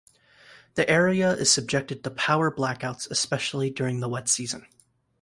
The area is subjected to power blackouts especially during the wet season.